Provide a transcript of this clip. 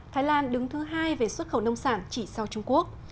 thái lan đứng thứ hai về xuất khẩu nông sản chỉ sau trung quốc